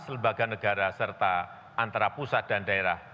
selembaga negara serta antara pusat dan daerah